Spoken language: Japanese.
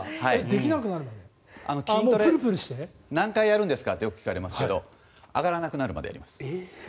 筋トレ何回やるんですか？ってよく聞かれますけど上がらなくなるまでやります。